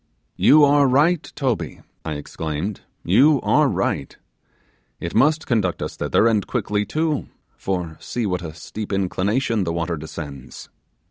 'You are right, Toby,' I exclaimed, 'you are right; it must conduct us thither, and quickly too; for, see with what a steep inclination the water descends.